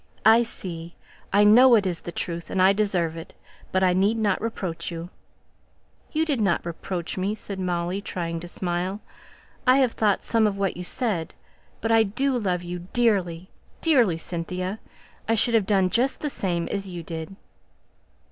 "I see I know it is the truth, and I deserve it but I need not reproach you." "You did not reproach me!" said Molly, trying to smile. "I have thought something of what you said but I do love you dearly dearly, Cynthia I should have done just the same as you did."